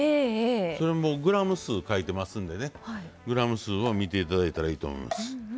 それもグラム数が書いてますからグラム数を見ていただいたらいいと思います。